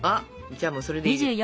じゃあもうそれでいいです。